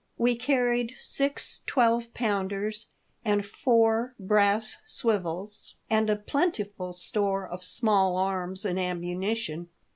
We carried six twelve pounders and four brass swivels and a plentiful store of small arms and am munition.